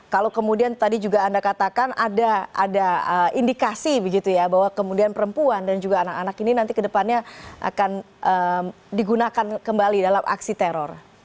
kalau kemudian tadi juga anda katakan ada indikasi begitu ya bahwa kemudian perempuan dan juga anak anak ini nanti kedepannya akan digunakan kembali dalam aksi teror